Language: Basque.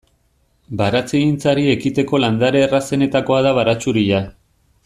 Baratzegintzari ekiteko landare errazenetakoa da baratxuria.